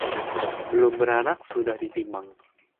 Belum beranak sudah ditimang